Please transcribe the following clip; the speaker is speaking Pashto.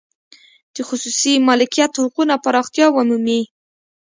د خصوصي مالکیت حقونه پراختیا ومومي.